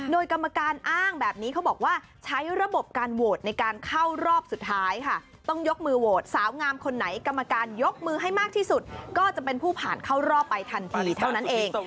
โดยกรรมการอ้างแบบนี้เขาบอกว่าใช้ระบบการโหวตในการเข้ารอบสุดท้ายค่ะต้องยกมือโหวตสาวงามคนไหนกรรมการยกมือให้มากที่สุดก็จะเป็นผู้ผ่านเข้ารอบไปทันทีเท่านั้นเอง